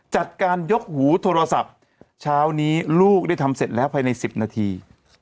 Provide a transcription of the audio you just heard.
จัดการยกหูโทรศัพท์เช้านี้ลูกได้ทำเสร็จแล้วภายใน๑๐นาที